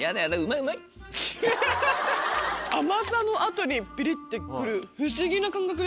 甘さの後にピリってくる不思議な感覚ですね。